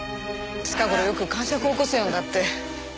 近頃よく癇癪を起こすようになって。